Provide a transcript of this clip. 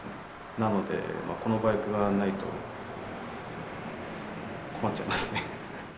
なので、このバイクがないと、困っちゃいますね。